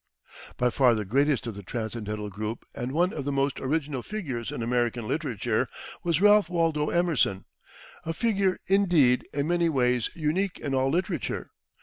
[Illustration: EMERSON] By far the greatest of the Transcendental group and one of the most original figures in American literature was Ralph Waldo Emerson a figure, indeed, in many ways unique in all literature.